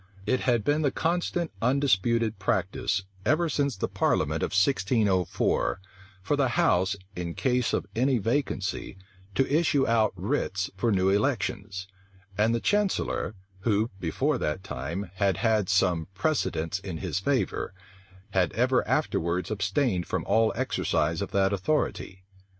It had been the constant, undisputed practice, ever since the parliament in 1604, for the house, in case of any vacancy, to issue out writs for new elections; and the chancellor, who, before that time, had had some precedents in his favor, had ever afterwards abstained from all exercise of that authority.